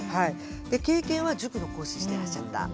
経験は塾の講師してらっしゃった。